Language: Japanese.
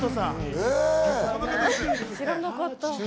知らなかった。